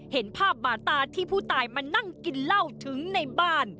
เห็นภาพบาดตาที่ผู้ตายมานั่งกินเหล้าถึงในบ้าน